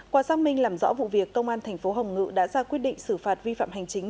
qua xác minh làm rõ vụ việc công an thành phố hồng ngự đã ra quyết định xử phạt vi phạm hành chính